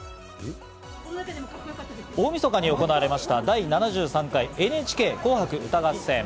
大みそかに行われました『第７３回ＮＨＫ紅白歌合戦』。